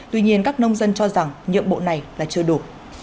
tuy nhiên các nông dân cho rằng nhiệm vụ này là chưa đủ